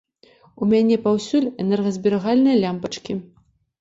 У мяне паўсюль энергазберагальныя лямпачкі.